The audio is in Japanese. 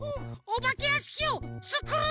おばけやしきをつくる？